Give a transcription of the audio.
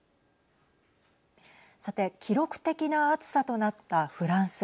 さて記録的な暑さとなったフランス。